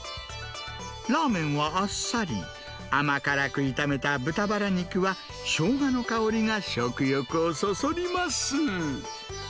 ラーメンはあっさり、甘辛く炒めた豚ばら肉は、ショウガの香りが食欲をそそります。